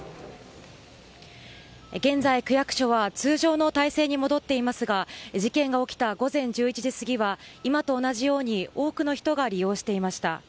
現在、区役所は通常の体制に戻っていますが事件が起きた午前１１時過ぎは今と同じように多くの人が利用していました。